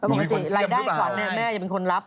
ประมาณปกติรายได้ขวัญเนี่ยแม่ยังเป็นคนรับ